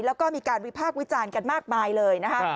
แล้วก็มีการวิพากษ์วิจารณ์กันมากมายเลยนะคะ